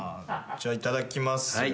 じゃあいただきます。